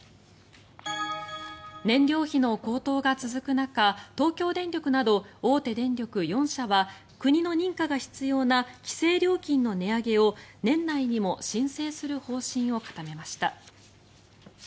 燃料費の高騰が続く中東京電力など大手電力４社は国の認可が必要な規制料金の値上げを年内にも申請する方針を固めました。